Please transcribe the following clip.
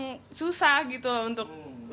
tapi emang susah gitu untuk perkembangan